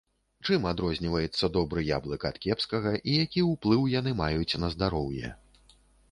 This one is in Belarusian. Чым адрозніваецца добры яблык ад кепскага і які ўплыў яны маюць на здароўе.